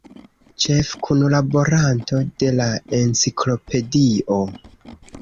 Ĉefkunlaboranto de la Enciklopedio.